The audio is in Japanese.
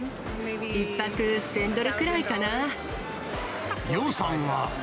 １泊１０００ドルくらいかな。